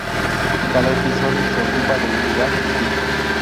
Cada episodio se ocupa de un lugar distinto.